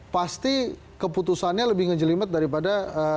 pasti keputusannya lebih ngejelimet daripada partai partai lain